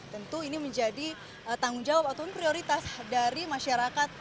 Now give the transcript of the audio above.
tentu ini menjadi tanggung jawab atau prioritas dari masyarakat